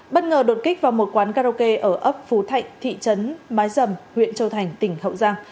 bất ngờ đột kích vào một quán karaoke ở ấp phú thạnh thị trấn mái dầm huyện châu thành tỉnh hậu giang